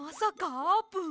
あーぷん！